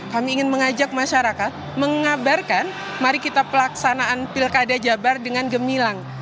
kami ingin mengajak masyarakat mengabarkan mari kita pelaksanaan pilkada jabar dengan gemilang